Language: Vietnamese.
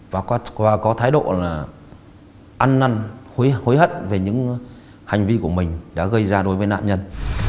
và có thái độ là ăn năn hối hận về những hành vi của mình đã gây ra đối với nạn nhân